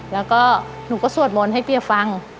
แล้วหนูก็สวดบนให้เตี๋ยฟัง